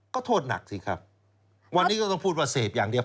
ก็โทษหนักสิครับวันนี้ก็ต้องพูดว่าเสพอย่างเดียว